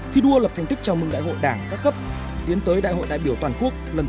khi đua lập thành tích chào mừng đại hội đảng các cấp tiến tới đại hội đại biểu toàn quốc lần thứ một mươi ba của đảng